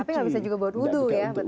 tapi tidak bisa juga buat udu